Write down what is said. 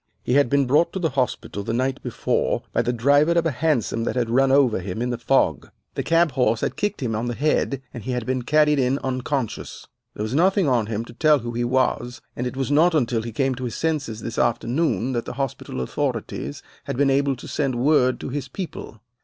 He had been brought to the hospital the night before by the driver of a hansom that had run over him in the fog. The cab horse had kicked him on the head, and he had been carried in unconscious. There was nothing on him to tell who he was, and it was not until he came to his senses this afternoon that the hospital authorities had been able to send word to his people.